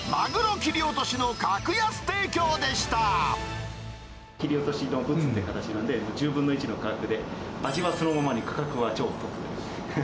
切り落としのブツという形なんで、１０分の１の価格で、味はそのままに価格は超お得。